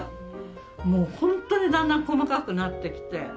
もう本当にだんだん細かくなってきて。